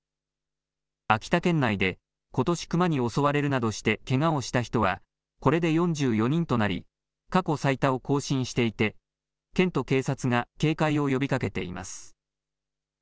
秋田県内で、ことしクマに襲われるなどしてけがをした人はこれで４４人となり、過去最多を更新していて、県と警察が警戒を呼びかけています。